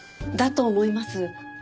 だと思います。